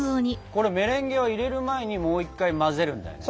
メレンゲは入れる前にもう一回混ぜるんだよね？